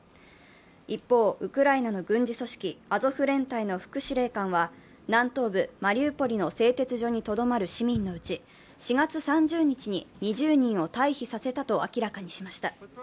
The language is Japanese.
一方、ウクライナの軍事組織アゾフ連隊の副司令官は南東部マリウポリの製鉄所にとどまる市民のうち、４月３０日に２０人を退避させたと明らかにしました。